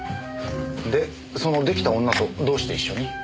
でその出来た女とどうして一緒に？